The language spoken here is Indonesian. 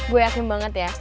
gue yakin banget ya